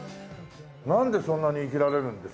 なんでそんなに生きられるんですか？